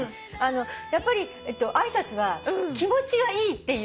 やっぱり挨拶は気持ちがいいっていう。